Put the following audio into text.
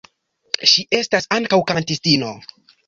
Ŝi estas ankaŭ kantistino.